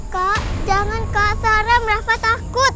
kak jangan kak serem rafa takut